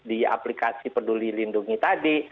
di aplikasi peduli lindungi tadi